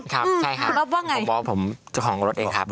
ครับใช่ครับคุณอ๊อฟว่าไงคุณอ๊อฟว่าไงผมเจ้าของรถเองครับ